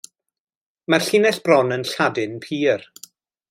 Mae'r llinell bron yn Lladin pur.